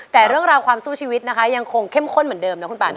แต่เรื่องราวความสู้ชีวิตนะคะยังคงเข้มข้นเหมือนเดิมนะคุณป่าน